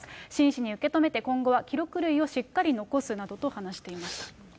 真摯に受け止めて、今後は記録類をしっかり残すなどと話していました。